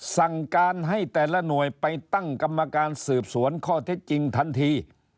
สั่งการให้แต่ละหน่วยไปตั้งกรรมการสืบสวนข้อเท็จจริงทันที